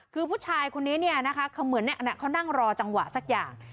คือผู้ชายคนนี้เนี่ยนะคะคือเหมือนเขานั่งรอจังหวะสักอย่าง